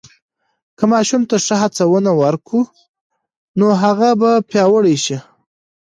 که ماشوم ته ښه هڅونه ورکو، نو هغه به پیاوړی شي.